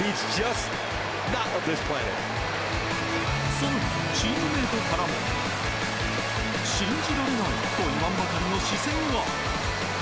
更にチームメートからも信じられないといわんばかりの視線が。